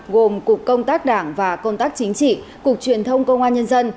gồm cục công tác đảng và công tác chính trị cục truyền thông công an nhân dân